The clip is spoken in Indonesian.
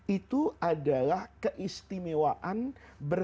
itu adalah salahnya